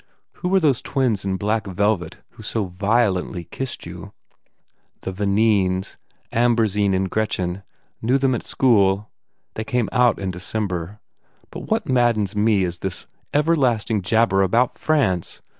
Who were those twins in black velvet who so violently kissed you?" "The Vaneens. Ambrosine and Gretchen. Knew them at school. They come out in December. But what maddens me is this everlasting jabber about France!